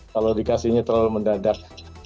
kalau dikasihnya terlalu mendadak